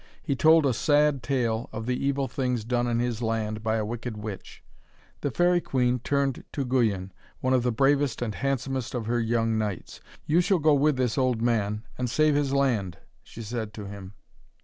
He told a sad tale of the evil things done in his land by a wicked witch. The Faery Queen turned to Guyon, one of the bravest and handsomest of her young knights. 'You shall go with this old man and save his land,' she said to him.